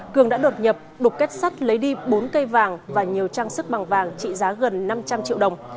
cường đã đột nhập đục kết sắt lấy đi bốn cây vàng và nhiều trang sức bằng vàng trị giá gần năm trăm linh triệu đồng